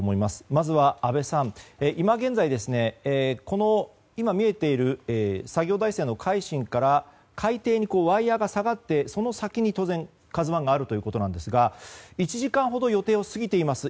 まずは安倍さん、今現在この今見えている作業台船の「海進」から海底にワイヤが下がってその先に当然、「ＫＡＺＵ１」があるということなんですが１時間ほど予定を過ぎています。